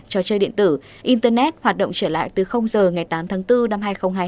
trò chơi điện tử internet hoạt động trở lại từ giờ ngày tám tháng bốn năm hai nghìn hai mươi hai